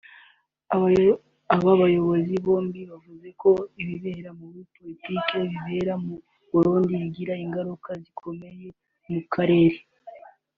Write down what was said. Aba bayobozi bombi bavuze ko ibibazo bya Politike bibera mu Burundi bigira ingaruka zikomeye mu karere